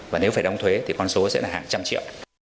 và nếu phải đóng thuế thì con số sẽ là hàng trăm triệu